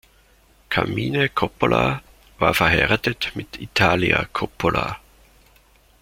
Carmine Coppola war verheiratet mit Italia Coppola.